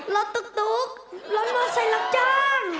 รถตุ๊กรถมอเซอร์ลักษณ์